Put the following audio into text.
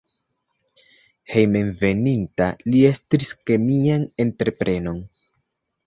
Hejmenveninta li estris kemian entreprenon.